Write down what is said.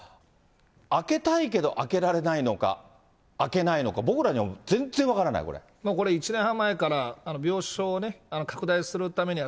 空けたいけど空けられないのか、空けないのか、僕らには全然分かこれ１年半前から、病床を拡大するためには